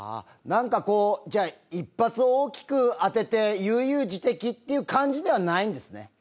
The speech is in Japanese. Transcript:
なんかこうじゃあ一発大きく当てて悠々自適っていう感じではないんですね？